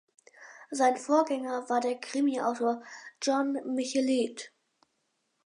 Sein Vorgänger war der Krimiautor Jon Michelet.